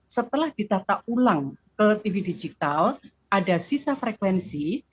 setelah ditata ulang ke tv digital ada sisa frekuensi